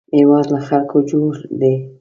هېواد له خلکو جوړ دی